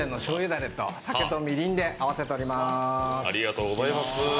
だれと酒とみりんで合わせております。